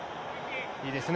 いいですね。